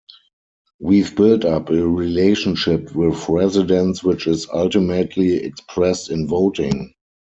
We've built up a relationship with residents which is ultimately expressed in voting.